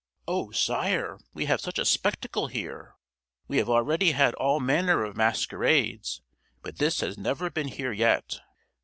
"Oh, sire, we have such a spectacle here; we have already had all manner of masquerades, but this has never been here yet."